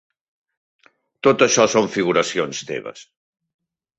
Tot això són figuracions teves.